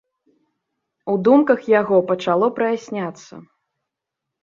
У думках яго пачало праясняцца.